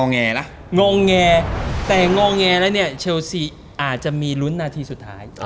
งอแงแต่งอแงแล้วเนี่ยเชลซีอาจจะมีลุ้นนาทีสุดท้าย